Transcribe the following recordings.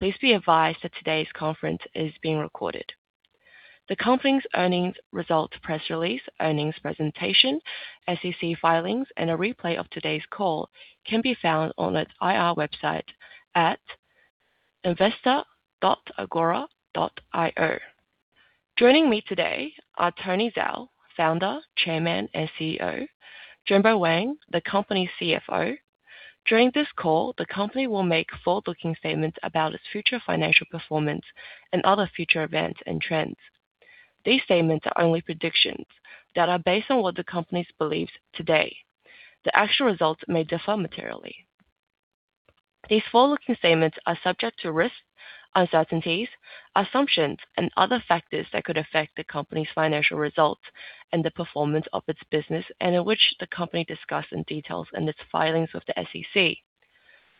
Please be advised that today's conference is being recorded. The company's earnings results, press release, earnings presentation, SEC filings, and a replay of today's call can be found on its IR website at investor.agora.io. Joining me today are Tony Zhao, Founder, Chairman, and CEO. Jingbo Wang, the company's CFO. During this call, the company will make forward-looking statements about its future financial performance and other future events and trends. These statements are only predictions that are based on what the company believe today. The actual results may differ materially. These forward-looking statements are subject to risks, uncertainties, assumptions, and other factors that could affect the company's financial results and the performance of its business, and in which the company discuss in details in its filings with the SEC,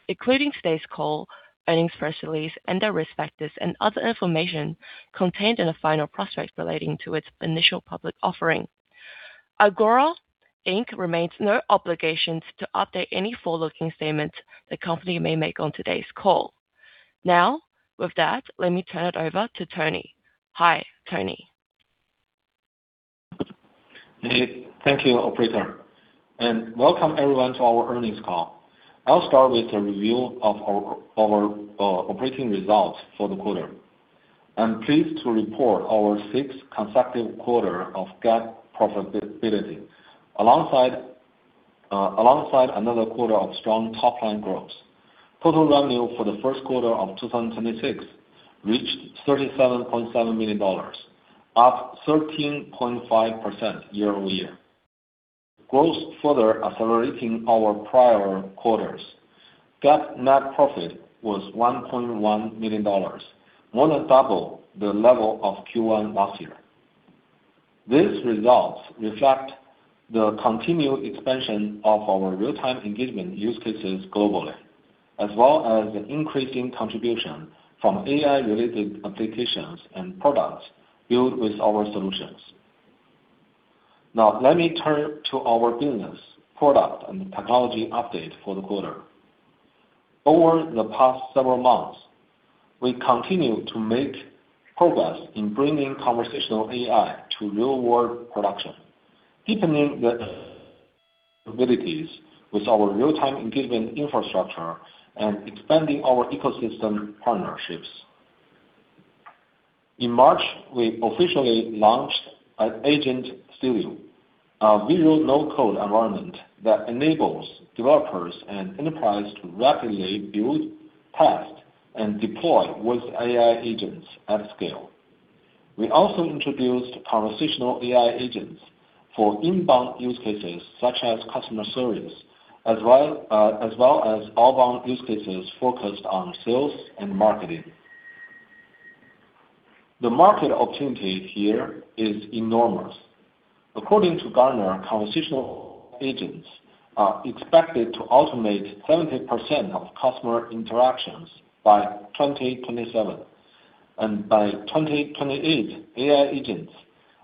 including today's call, earnings press release, and the risk factors and other information contained in a final prospectus relating to its initial public offering. Agora, Inc. remains no obligations to update any forward-looking statements the company may make on today's call. Now, with that, let me turn it over to Tony. Hi, Tony. Thank you, operator, and welcome everyone to our earnings call. I'll start with a review of our operating results for the quarter. I'm pleased to report our sixth consecutive quarter of GAAP profitability alongside another quarter of strong top-line growth. Total revenue for the first quarter of 2026 reached $37.7 million, up 13.5% year-over-year. Growth further accelerating our prior quarters. GAAP net profit was $1.1 million, more than double the level of Q1 last year. These results reflect the continued expansion of our Real-Time Engagement use cases globally, as well as the increasing contribution from AI-related applications and products built with our solutions. Let me turn to our business product and technology update for the quarter. Over the past several months, we continue to make progress in bringing Conversational AI to real-world production, deepening the capabilities with our Real-Time Engagement infrastructure, and expanding our ecosystem partnerships. In March, we officially launched Agent Studio, a visual no-code environment that enables developers and enterprises to rapidly build, test, and deploy voice AI agents at scale. We also introduced conversational AI agents for inbound use cases such as customer service, as well as outbound use cases focused on sales and marketing. The market opportunity here is enormous. According to Gartner, conversational agents are expected to automate 70% of customer interactions by 2027, and by 2028, AI agents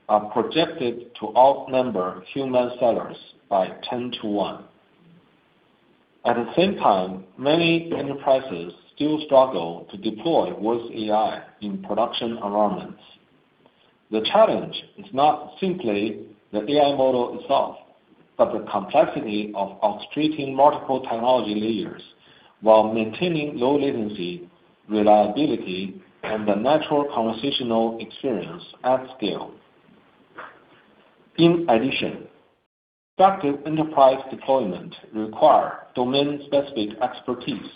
are projected to outnumber human sellers by 10 to one. At the same time, many enterprises still struggle to deploy voice AI in production environments. The challenge is not simply the AI model itself, but the complexity of orchestrating multiple technology layers while maintaining low latency, reliability, and the natural conversational experience at scale. In addition, effective enterprise deployment require domain-specific expertise.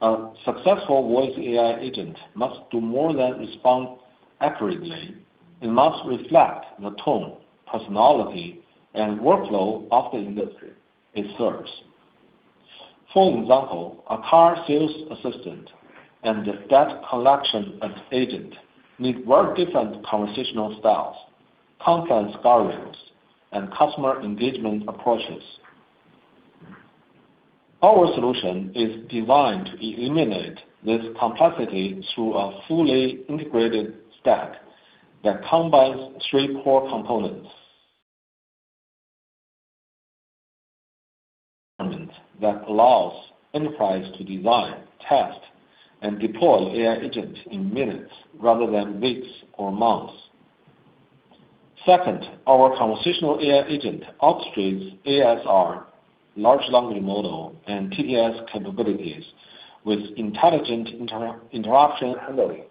A successful voice AI agent must do more than respond accurately. It must reflect the tone, personality, and workflow of the industry it serves. For example, a car sales assistant and a debt collection agent need very different conversational styles, compliance guidelines, and customer engagement approaches. Our solution is designed to eliminate this complexity through a fully integrated stack that combines three core components. First, an environment that allows enterprise to design, test, and deploy AI agent in minutes rather than weeks or months. Second, our conversational AI agent orchestrates ASR, large language model, and TTS capabilities with intelligent interaction handling,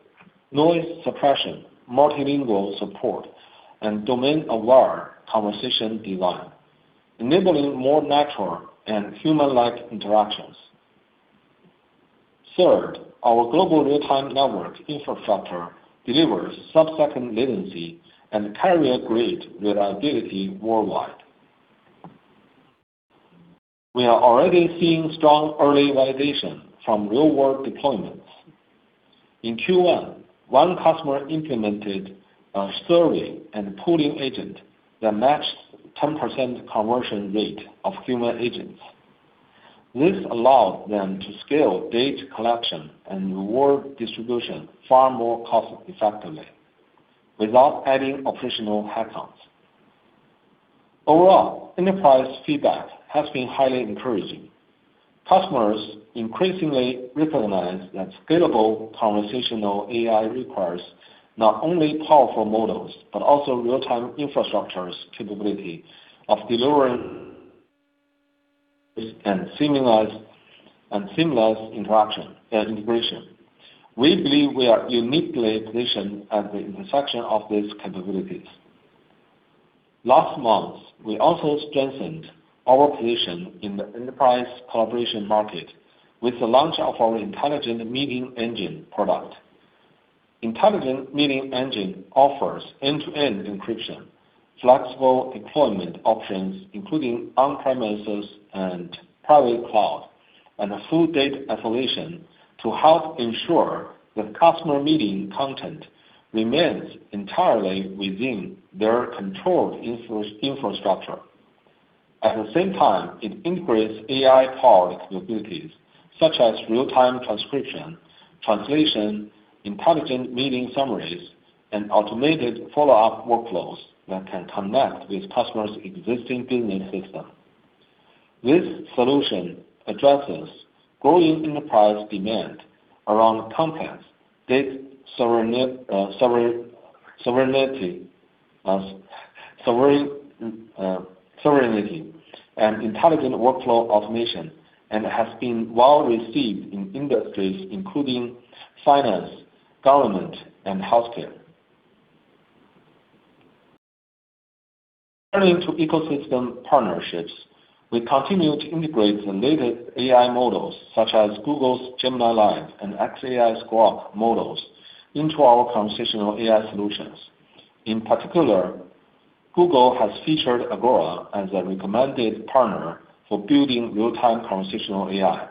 noise suppression, multilingual support, and domain-aware conversation design, enabling more natural and human-like interactions. Third, our global real-time network infrastructure delivers sub-second latency and carrier-grade reliability worldwide. We are already seeing strong early validation from real-world deployments. In Q1, one customer implemented a survey and polling agent that matched 10% conversion rate of human agents. This allowed them to scale data collection and reward distribution far more cost effectively without adding operational headcount. Overall, enterprise feedback has been highly encouraging. Customers increasingly recognize that scalable Conversational AI requires not only powerful models, but also real-time infrastructure's capability of delivering and seamless interaction and integration. We believe we are uniquely positioned at the intersection of these capabilities. Last month, we also strengthened our position in the enterprise collaboration market with the launch of our Intelligent Meeting Engine product. Intelligent Meeting Engine offers end-to-end encryption, flexible deployment options including on-premises and private cloud, and a full data solution to help ensure that customer meeting content remains entirely within their controlled infrastructure. At the same time, it integrates AI powered capabilities such as real-time transcription, translation, intelligent meeting summaries, and automated follow-up workflows that can connect with customers' existing business system. This solution addresses growing enterprise demand around content, data sovereignty, and intelligent workflow automation, and has been well received in industries including finance, government, and healthcare. Turning to ecosystem partnerships, we continue to integrate the latest AI models such as Google's Gemini and xAI's Grok models into our Conversational AI solutions. In particular, Google has featured Agora as a recommended partner for building real-time Conversational AI,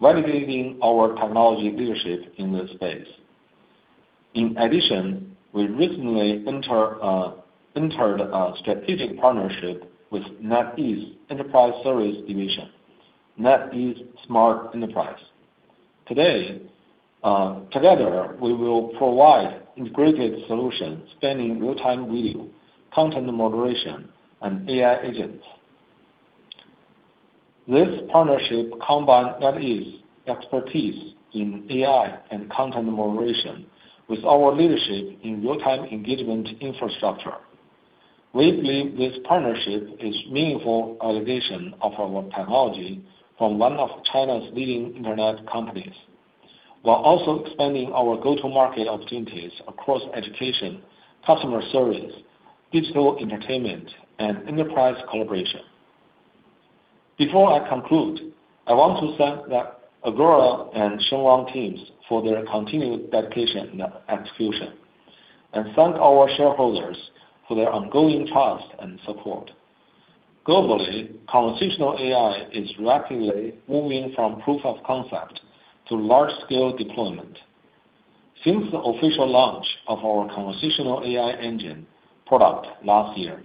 validating our technology leadership in this space. In addition, we recently entered a strategic partnership with NetEase Enterprise Service Division, NetEase Smart Enterprise. Together, we will provide integrated solutions spanning real-time video, content moderation, and AI agents. This partnership combines NetEase expertise in AI and content moderation with our leadership in real-time engagement infrastructure. We believe this partnership is meaningful validation of our technology from one of China's leading internet companies, while also expanding our go-to-market opportunities across education, customer service, digital entertainment, and enterprise collaboration. Before I conclude, I want to thank the Agora and Shengwang teams for their continued dedication and execution, and thank our shareholders for their ongoing trust and support. Globally, Conversational AI is rapidly moving from proof of concept to large-scale deployment. Since the official launch of our Conversational AI Engine product last year,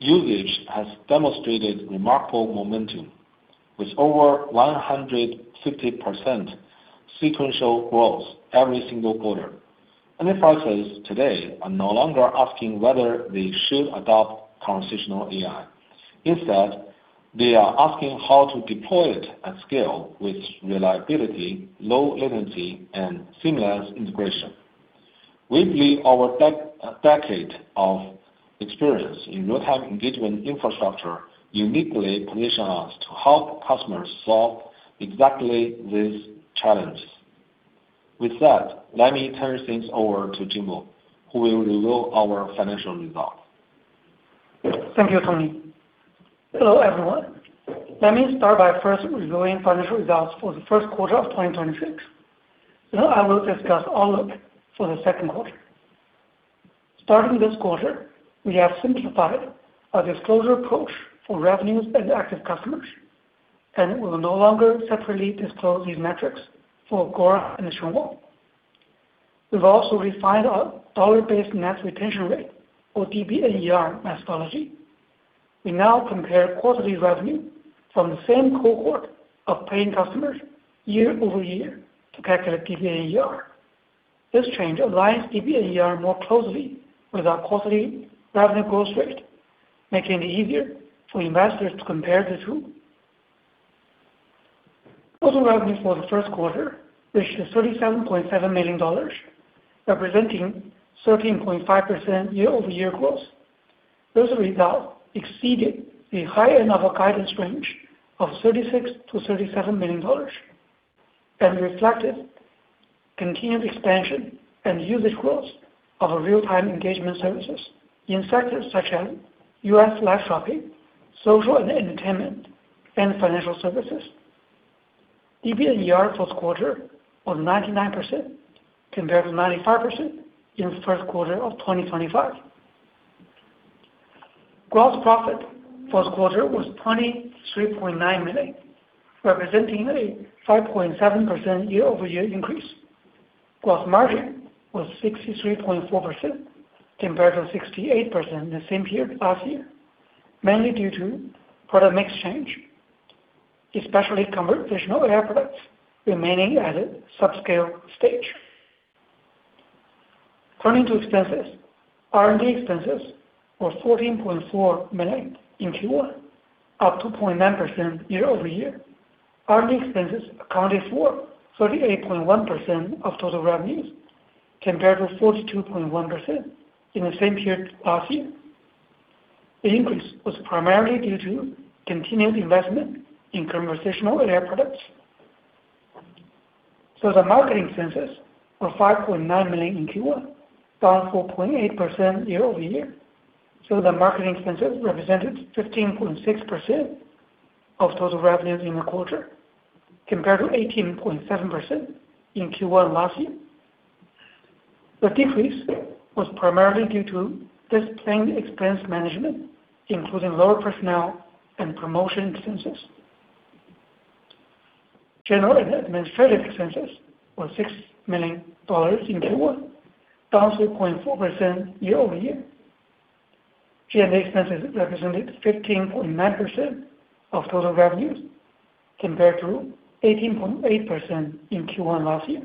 usage has demonstrated remarkable momentum with over 150% sequential growth every single quarter. Enterprises today are no longer asking whether they should adopt Conversational AI. Instead, they are asking how to deploy it at scale with reliability, low latency, and seamless integration. We believe our decade of experience in real-time engagement infrastructure uniquely positions us to help customers solve exactly these challenges. With that, let me turn things over to Jingbo, who will reveal our financial results. Thank you, Tony. Hello, everyone. Let me start by first reviewing financial results for the first quarter of 2026. Then I will discuss outlook for the second quarter. Starting this quarter, we have simplified our disclosure approach for revenues and active customers, and we will no longer separately disclose these metrics for Agora and Shengwang. We've also refined our dollar-based net expansion rate or DBAR methodology. We now compare quarterly revenue from the same cohort of paying customers year-over-year to calculate DBAR. This change aligns DBAR more closely with our quarterly revenue growth rate, making it easier for investors to compare the two. Total revenue for the first quarter reached $37.7 million, representing 13.5% year-over-year growth. Those results exceeded the high end of our guidance range of $36 million-$37 million, and reflected continued expansion and usage growth of our real-time engagement services in sectors such as U.S. live shopping, social and entertainment, and financial services. DBAR first quarter was 99% compared to 95% in the first quarter of 2025. Gross profit first quarter was $23.9 million, representing a 5.7% year-over-year increase. Gross margin was 63.4% compared to 68% in the same period last year, mainly due to product mix change, especially Conversational AI products remaining at a subscale stage. Turning to expenses, R&D expenses were $14.4 million in Q1, up 2.9% year-over-year. R&D expenses accounted for 38.1% of total revenues, compared to 42.1% in the same period last year. The increase was primarily due to continued investment in Conversational AI products. The marketing expenses were $5.9 million in Q1, down 4.8% year-over-year. The marketing expenses represented 15.6% of total revenues in the quarter, compared to 18.7% in Q1 last year. The decrease was primarily due to disciplined expense management, including lower personnel and promotion expenses. General and administrative expenses were $6 million in Q1, down 6.4% year-over-year. G&A expenses represented 15.9% of total revenues, compared to 18.8% in Q1 last year.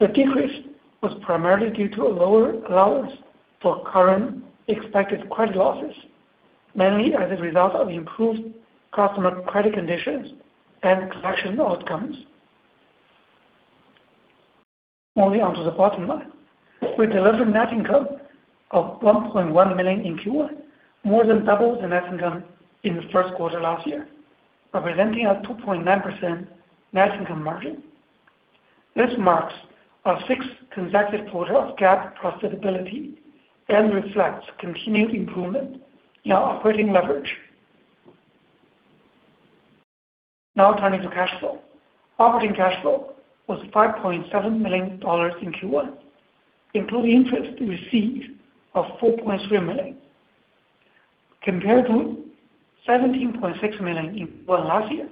The decrease was primarily due to a lower allowance for current expected credit losses, mainly as a result of improved customer credit conditions and collection outcomes. Moving on to the bottom line. We delivered net income of $1.1 million in Q1, more than double the net income in the first quarter last year, representing a 2.9% net income margin. This marks our sixth consecutive quarter of GAAP profitability and reflects continued improvement in our operating leverage. Turning to cash flow. Operating cash flow was $5.7 million in Q1, including interest received of $4.3 million, compared to $17.6 million in Q1 last year,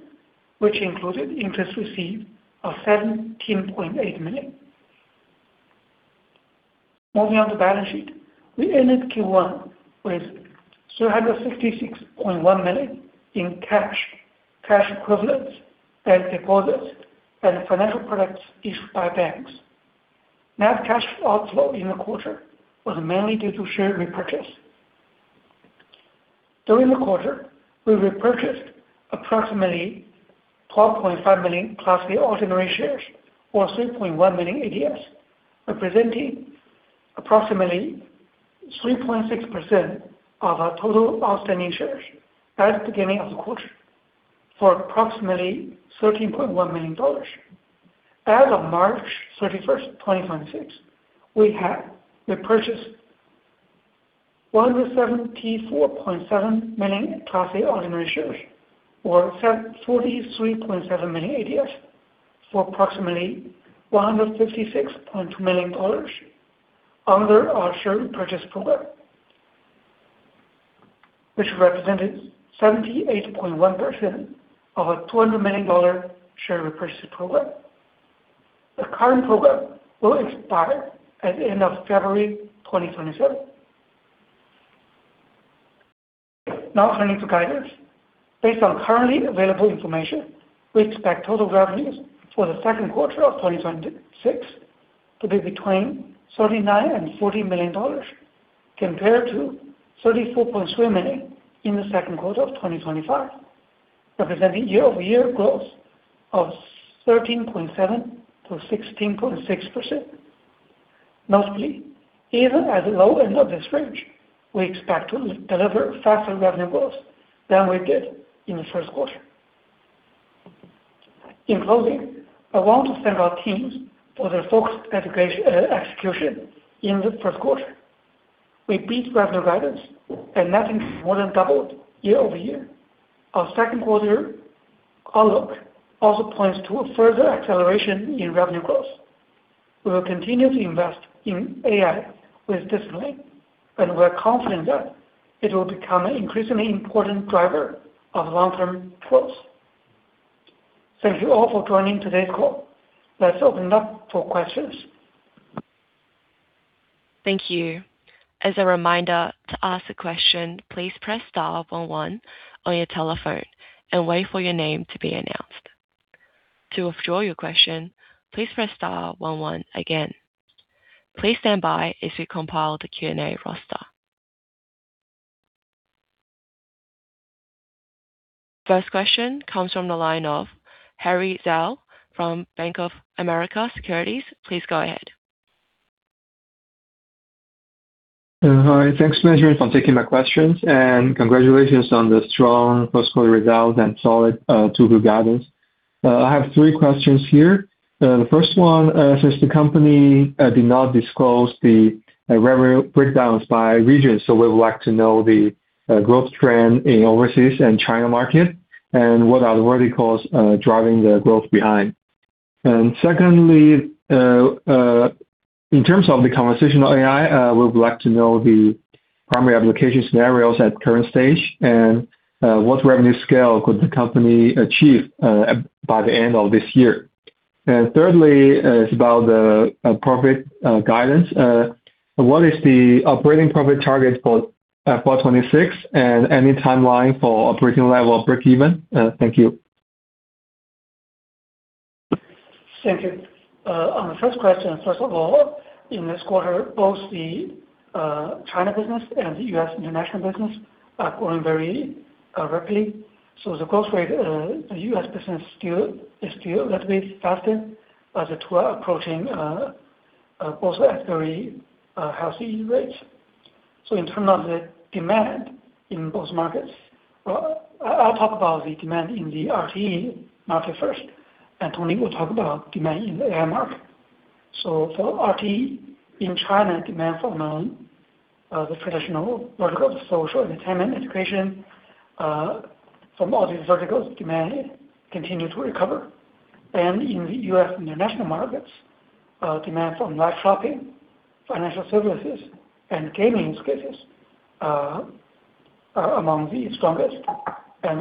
which included interest received of $17.8 million. Moving on to balance sheet. We ended Q1 with $366.1 million in cash equivalents, and deposits and financial products issued by banks. Net cash outflow in the quarter was mainly due to share repurchase. During the quarter, we repurchased approximately 12.5 million Class A ordinary shares or 3.1 million ADS, representing approximately 3.6% of our total outstanding shares at the beginning of the quarter, for approximately $13.1 million. As of March 31st, 2026, we had repurchased 174.7 million Class A ordinary shares or 74.7 million ADS for approximately $156.2 million under our share repurchase program, which represented 78.1% of our $200 million share repurchase program. The current program will expire at the end of February 2027. Turning to guidance. Based on currently available information, we expect total revenues for the second quarter of 2026 to be between $39 million and $40 million, compared to $34.3 million in the second quarter of 2025, representing year-over-year growth of 13.7%-16.6%. Notably, even at the low end of this range, we expect to deliver faster revenue growth than we did in the first quarter. In closing, I want to thank our teams for their focused execution in the first quarter. We beat revenue guidance and net income more than doubled year-over-year. Our second quarter outlook also points to a further acceleration in revenue growth. We will continue to invest in AI with discipline, and we are confident that it will become an increasingly important driver of long-term growth. Thank you all for joining today's call. Let's open it up for questions. Thank you. As a reminder, to ask a question, please press star one one on your telephone and wait for your name to be announced. To withdraw your question, please press star one one again. Please stand by as we compile the Q&A roster. First question comes from the line of Harry Zhuang from Bank of America Securities. Please go ahead. Hi. Thanks, management, for taking my questions and congratulations on the strong first quarter results and solid two-year guidance. I have three questions here. The first one, since the company did not disclose the revenue breakdowns by region, we would like to know the growth trend in overseas and China market and what are the verticals driving the growth behind. Secondly, in terms of the Conversational AI, we would like to know the primary application scenarios at current stage and what revenue scale could the company achieve by the end of this year. Thirdly is about the profit guidance. What is the operating profit target for 2026 and any timeline for operating level of breakeven? Thank you. Thank you. On the first question, first of all, in this quarter, both the China business and the U.S. international business are growing very rapidly. The growth rate, the U.S. business is still a little bit faster, but the two are approaching also at very healthy rates. In terms of the demand in both markets, I'll talk about the demand in the RTE market first, and Tony will talk about demand in the AI market. For RTE in China, demand for the traditional verticals, social, entertainment, education, from all these verticals, demand continued to recover. In the U.S. international markets, demand from live shopping, financial services, and gaming scales are among the strongest.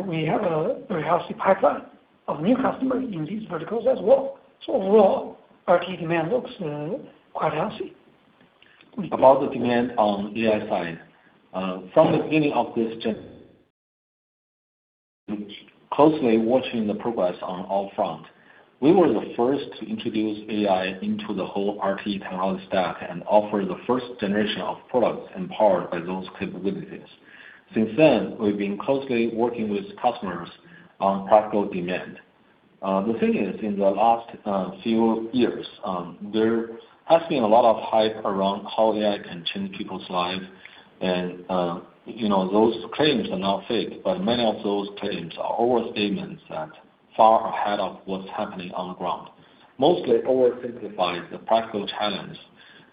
We have a very healthy pipeline of new customers in these verticals as well. Overall, RTE demand looks quite healthy. About the demand on AI side. From the beginning of this GenAI closely watching the progress on all front. We were the first to introduce AI into the whole RTE technology stack and offer the first generation of products empowered by those capabilities. Since then, we've been closely working with customers on practical demand. The thing is, in the last few years, there has been a lot of hype around how AI can change people's lives, and those claims are not fake. Many of those claims are overstatements that far ahead of what's happening on the ground, mostly oversimplifies the practical challenge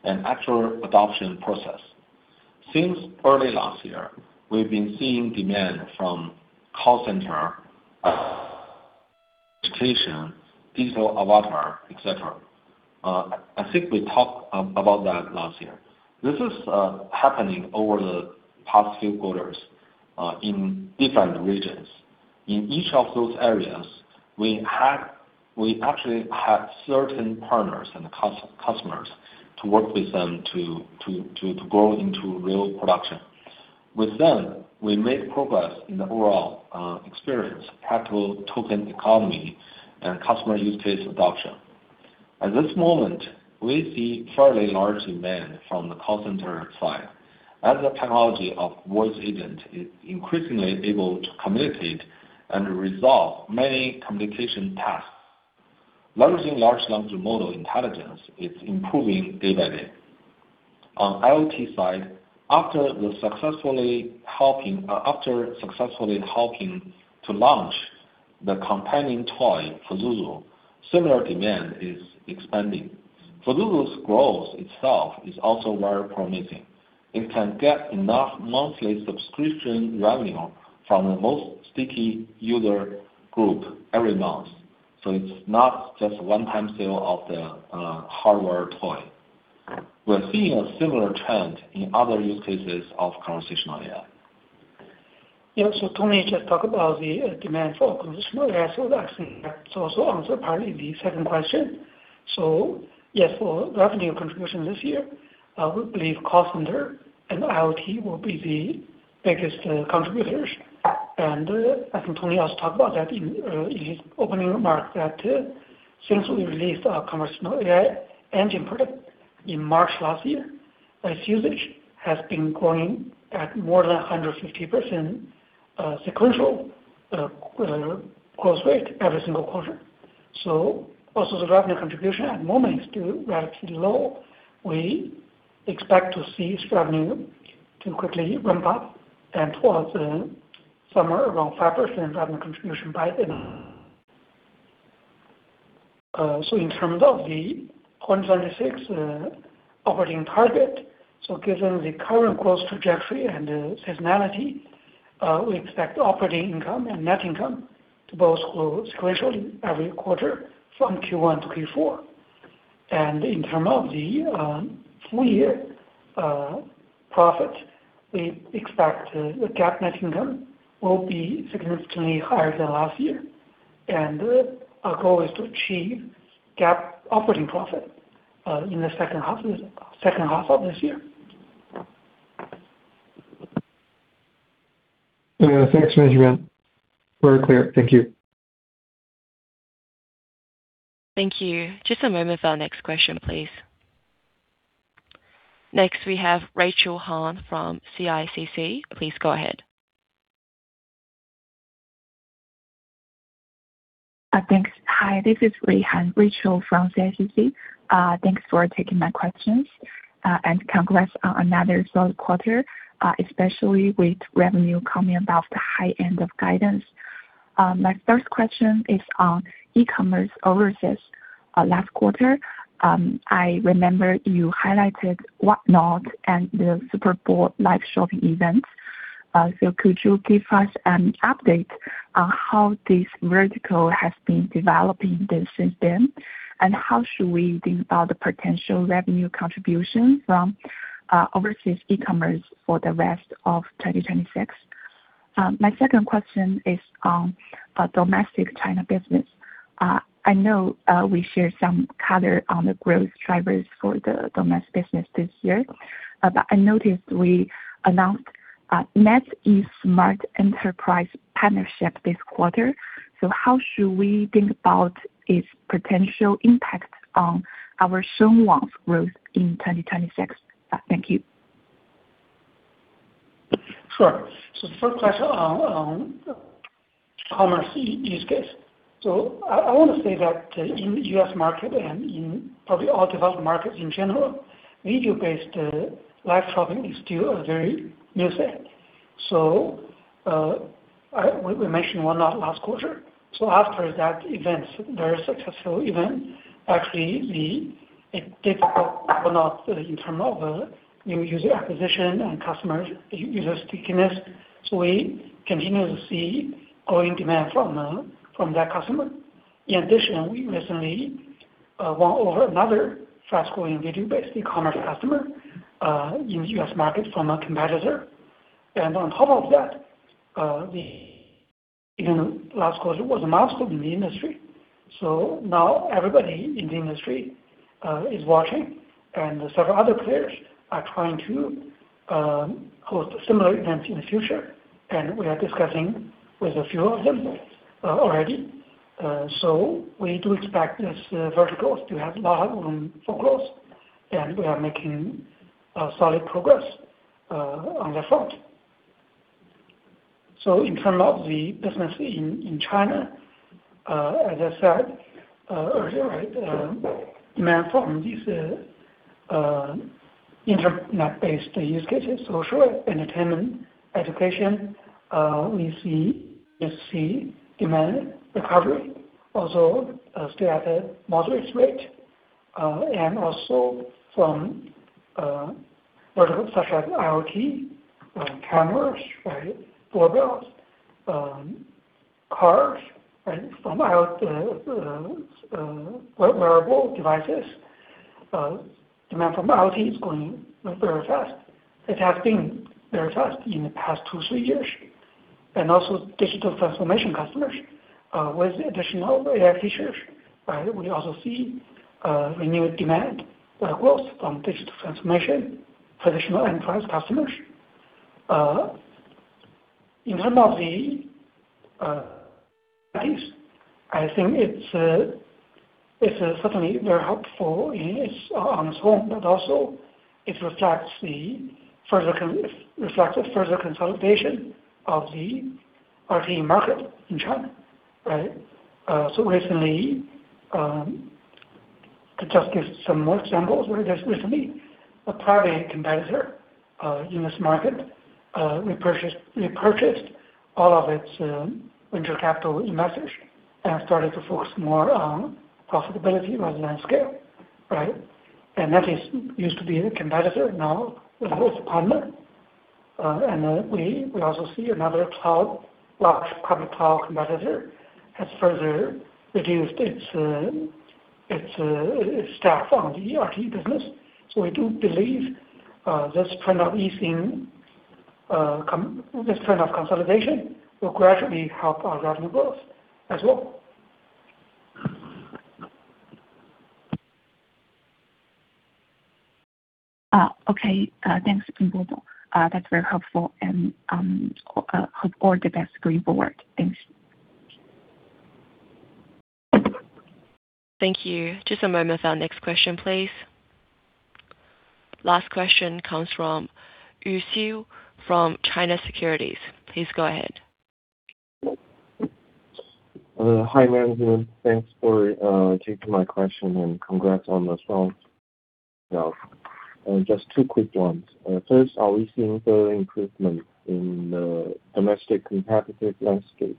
and actual adoption process. Since early last year, we've been seeing demand from call center education, digital avatar, et cetera. I think we talked about that last year. This is happening over the past few quarters, in different regions. In each of those areas, we actually have certain partners and customers to work with them to go into real production. With them, we made progress in the overall experience, practical token economy, and customer use case adoption. At this moment, we see fairly large demand from the call center side. As the technology of voice agent is increasingly able to communicate and resolve many communication tasks. Leveraging large language model intelligence is improving day by day. On IoT side, after successfully helping to launch the companion toy for Zuzu, similar demand is expanding. For Zuzu's growth itself is also very promising. It can get enough monthly subscription revenue from the most sticky user group every month. It's not just a one-time sale of the hardware toy. We're seeing a similar trend in other use cases of Conversational AI. Yeah. Tony just talked about the demand for Conversational AI. That should also answer partly the second question. Yes, for revenue contribution this year, we believe call center and IoT will be the biggest contributors. I think Tony also talked about that in his opening remarks, that since we released our Conversational AI Engine product in March last year, its usage has been growing at more than 150% sequential growth rate every single quarter. Also the revenue contribution at the moment is still relatively low. We expect to see its revenue to quickly ramp up and towards the summer, around 5% revenue contribution by then. In terms of the 2026 operating target. Given the current growth trajectory and seasonality, we expect operating income and net income to both grow sequentially every quarter from Q1 to Q4. In term of the full year profit, we expect the GAAP net income will be significantly higher than last year. Our goal is to achieve GAAP operating profit in the second half of this year. Yeah. Thanks, management. Very clear. Thank you. Thank you. Just a moment for our next question, please. Next, we have Rachel Han from CICC. Please go ahead. Thanks. Hi, this is Rachel Han from CICC. Thanks for taking my questions. Congrats on another solid quarter, especially with revenue coming above the high end of guidance. My first question is on e-commerce overseas last quarter. I remember you highlighted Whatnot and the Super Bowl live shopping events. Could you give us an update on how this vertical has been developing since then, and how should we think about the potential revenue contribution from overseas e-commerce for the rest of 2026? My second question is on domestic China business. I know we share some color on the growth drivers for the domestic business this year, but I noticed we announced NetEase Smart Enterprise partnership this quarter. How should we think about its potential impact on our Shengwang's growth in 2026? Thank you. Sure. The first question on commerce use case. I want to say that in the U.S. market and in probably all developed markets in general, video-based live shopping is still very new thing. We mentioned one last quarter. After that event, very successful event, actually, it did perform well in term of new user acquisition and customer user stickiness. We continue to see growing demand from that customer. In addition, we recently won over another fast-growing video-based e-commerce customer, in U.S. market from a competitor. On top of that, in the last quarter was a milestone in the industry. Now everybody in the industry is watching, and several other players are trying to host similar events in the future, and we are discussing with a few of them already. We do expect this vertical to have a lot of room for growth, and we are making solid progress on that front. In terms of the business in China, as I said earlier, demand from these internet-based use cases, social, entertainment, education, we see demand recovery also still at a moderate rate. From verticals such as IoT, cameras, doorbells, cars, from wearable devices. Demand from IoT is growing very fast. It has been very fast in the past two, three years. Digital transformation customers with additional AI features. We also see renewed demand growth from digital transformation, traditional enterprise customers. In terms of the pace, I think it's certainly very helpful on its own, but also it reflected further consolidation of the market in China, right? Recently, to just give some more examples, recently, a private competitor in this market repurchased all of its venture capital investee and started to focus more on profitability rather than scale, right? That used to be a competitor, now it is a partner. We also see another large public cloud competitor has further reduced its staff on the RTE business. We do believe this trend of consolidation will gradually help our revenue growth as well. Okay, thanks, Jingbo. That's very helpful and all the best going forward. Thanks. Thank you. Just a moment for our next question, please. Last question comes from Yue Xu from China Securities. Please go ahead. Hi, management. Thanks for taking my question and congrats on the strong results. Just two quick ones. Are we seeing further improvement in the domestic competitive landscape,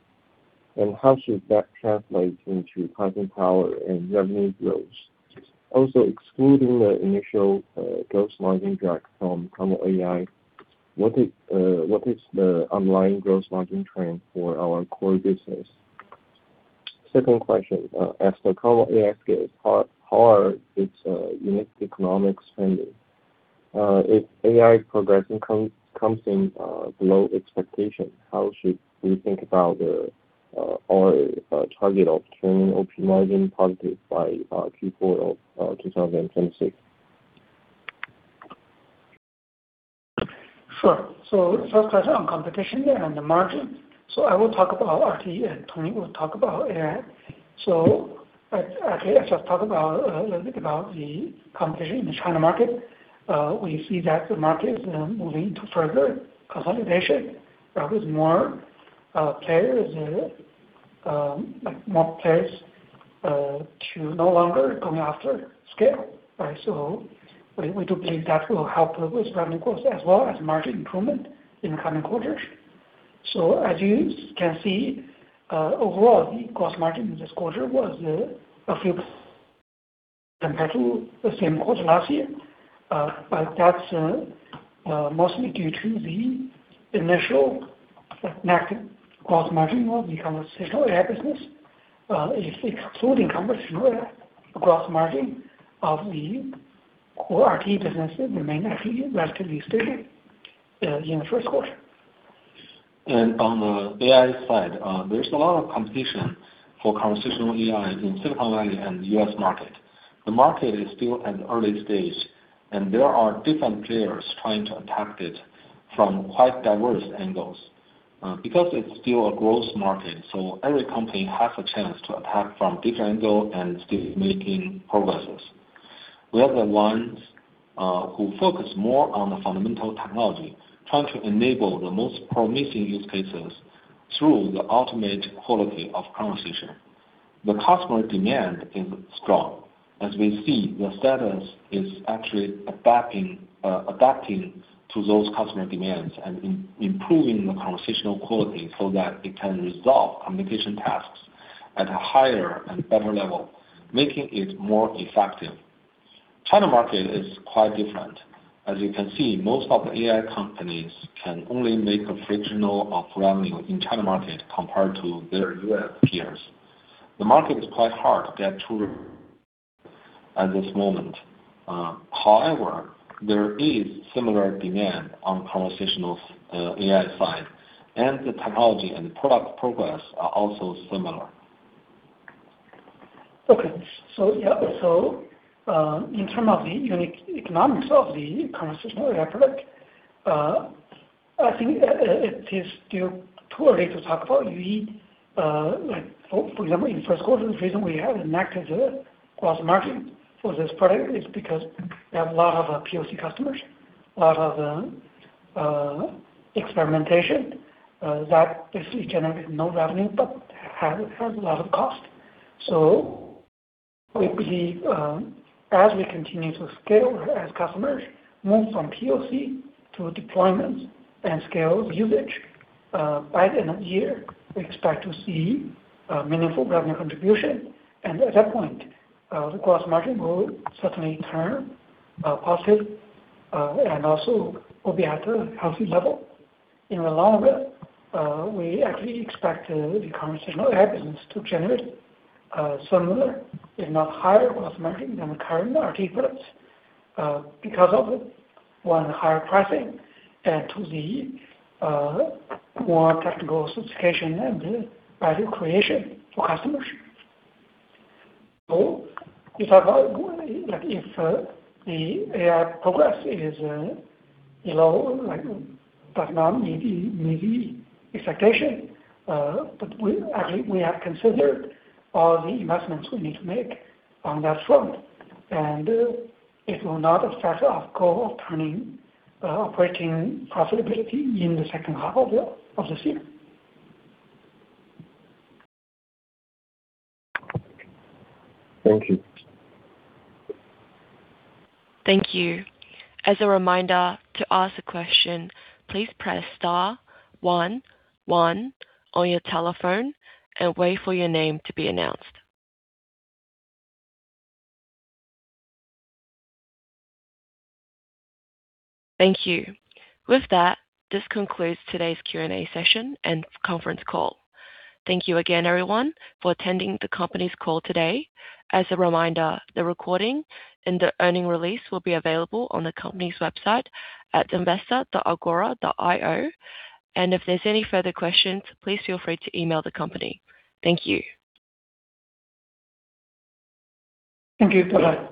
and how should that translate into pricing power and revenue growth? Excluding the initial gross margin drag from Conversational AI, what is the online gross margin trend for our core business? Second question. As for Conversational AI scale, how are its unit economics trending? If AI progression comes in below expectation, how should we think about our target of turning operating margin positive by Q4 of 2026? Sure. First question on competition and the margin. I will talk about RTE and Tony will talk about AI. Actually I just talk a little bit about the competition in the China market. We see that the market is moving into further consolidation. There was more players to no longer going after scale, right? We do believe that will help with revenue growth as well as margin improvement in the coming quarters. As you can see, overall, the gross margin this quarter was a few compared to the same quarter last year. That's mostly due to the initial negative gross margin on the Conversational AI business. If excluding Conversational AI, the gross margin of the Core RTE businesses remain actually relatively stable in the first quarter. On the AI side, there's a lot of competition for Conversational AI in Silicon Valley and the U.S. market. The market is still at an early stage, and there are different players trying to attack it from quite diverse angles. It's still a growth market, so every company has a chance to attack from different angle and still making progress. We are the ones who focus more on the fundamental technology, trying to enable the most promising use cases through the ultimate quality of conversation. The customer demand is strong. As we see, the startups is actually adapting to those customer demands and improving the conversational quality so that it can resolve communication tasks at a higher and better level, making it more effective. China market is quite different. As you can see, most of the AI companies can only make a fractional of revenue in China market compared to their U.S. peers. The market is quite hard to get through at this moment. However, there is similar demand on Conversational AI side, and the technology and product progress are also similar. Okay. In terms of the unique economics of the conversational product, I think it is still too early to talk about. For example, in first quarter, the reason we have a negative gross margin for this product is because we have a lot of POC customers, a lot of experimentation that basically generate no revenue, but has a lot of cost. We believe as we continue to scale, as customers move from POC to deployment and scale usage, by the end of the year, we expect to see a meaningful revenue contribution. At that point, the gross margin will certainly turn positive, and also will be at a healthy level. In the long run, we actually expect the conversational revenues to generate similar, if not higher gross margin than the current RT products because of, one, higher pricing, and two, the more technical sophistication and value creation for customers. We talk about if the AI progress is below, like does not meet the expectation. Actually, we have considered all the investments we need to make on that front, and it will not affect our goal of turning operating profitability in the second half of this year. Thank you. Thank you. As a reminder, to ask a question, please press star one one on your telephone and wait for your name to be announced. Thank you. With that, this concludes today's Q&A session and conference call. Thank you again, everyone, for attending the company's call today. As a reminder, the recording and the earning release will be available on the company's website at investor.agora.io. If there's any further questions, please feel free to email the company. Thank you. Thank you. Bye-bye.